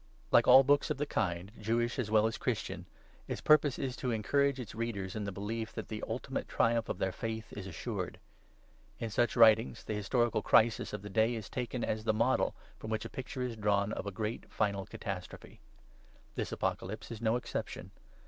, Like all books of the kind, Jewish as well as Christian, its purpose is to encourage its readers in the belief that the ultimate triumph of their Faith is assured. ! In such writings the historical crisis of the day is taken as the model from which a picture is drawn of a great final catastrophe. This Apocalypse is no exception.